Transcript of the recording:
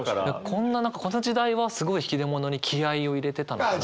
こんな何かこの時代はすごい引出物に気合いを入れてたのかなって。